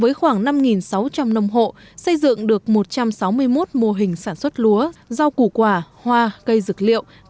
với khoảng năm sáu trăm linh nông hộ xây dựng được một trăm sáu mươi một mô hình sản xuất lúa rau củ quả hoa cây dược liệu